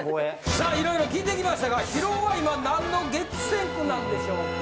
さあ色々聞いてきましたが広尾は今なんの激戦区なんでしょうか？